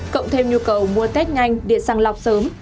cộng thêm nhu cầu mua tét nganh điện sang lọc sớm